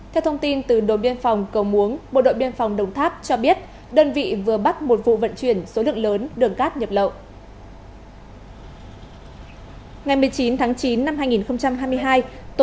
theo thông tin từ đồn biên phòng cầu muống bộ đội biên phòng đồng tháp cho biết đơn vị vừa bắt một vụ vận chuyển số lượng lớn đường cát nhập lậu